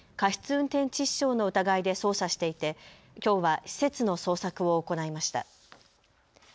運転致死傷の疑いで捜査していてきょうは施設の捜索を行いました。